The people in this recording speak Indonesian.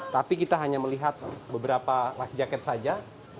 tapi kita hanya melihat beberapa leves jaket saja